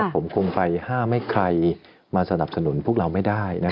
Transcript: ผมคงไปห้ามให้ใครมาสนับสนุนพวกเราไม่ได้